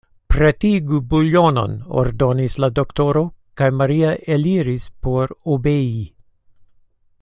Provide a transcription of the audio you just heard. Pretigu buljonon, ordonis la doktoro, kaj Maria eliris por obei.